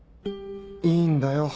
いいんだよ